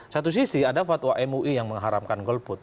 satu sisi ada fatwa mui yang mengharamkan golput